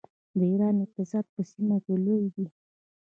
د ایران اقتصاد په سیمه کې لوی دی.